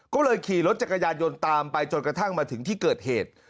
ก็เลยขี่รถจักรยานยนต์ตามไปจนกระทั่งมาถึงที่เกิดเหตุ